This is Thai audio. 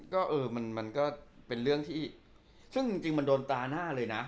ก็เออมันก็เป็นเรื่องที่ซึ่งจริงมันโดนตาหน้าเลยนะ